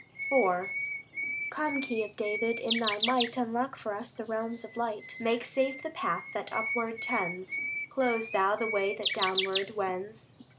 IV Come, Key of David! in Thy might Unlock for us the realms of light; Make safe the path that upward tends, Close Thou the way that downward wends.